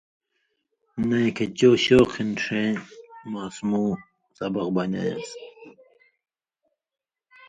نَیں کھیں چو شوق ہِن ݜَیں ماسمؤں سبق بنیایان٘س۔